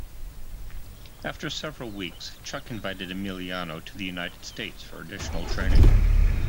After several weeks, Chuck invited Emiliano to the United States for additional training.